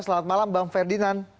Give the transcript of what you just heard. selamat malam bang ferdinand